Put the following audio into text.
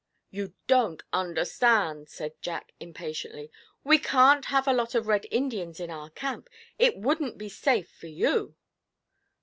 'You don't understand,' said Jack, impatiently. 'We can't have a lot of Red Indians in our camp it wouldn't be safe for you.'